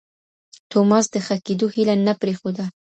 توماس د ښه کېدو هیله نه پرېښوده.